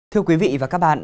thưa quý vị và các bạn